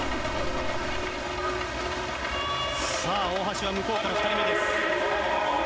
さあ、大橋は向こうから２人目です。